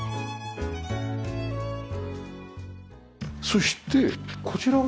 そしてこちらは？